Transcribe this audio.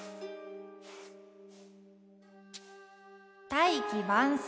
「大器晩成」。